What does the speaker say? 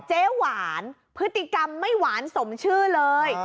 เจ๊หวานพฤติกรรมไม่หวานสมชื่อเลย